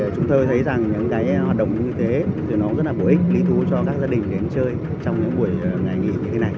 chúng tôi thấy rằng những cái hoạt động như y tế cho nó rất là bổ ích lý thú cho các gia đình đến chơi trong những buổi ngày nghỉ như thế này